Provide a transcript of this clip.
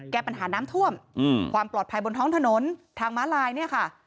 แก้ปัญหาน้ำท่วมอืมความปลอดภัยบนท้องถนนทางม้าลายเนี่ยค่ะ